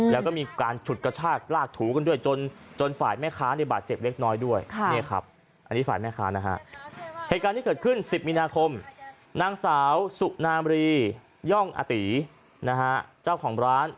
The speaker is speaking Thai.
แล้วก็มีการฉุกชาติลากถูกันด้วยจน